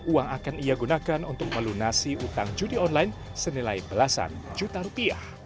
uang akan ia gunakan untuk melunasi utang judi online senilai belasan juta rupiah